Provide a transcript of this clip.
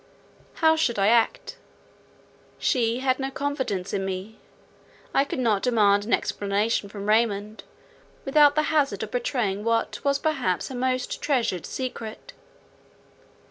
How should I act? She had not confided in me; I could not demand an explanation from Raymond without the hazard of betraying what was perhaps her most treasured secret.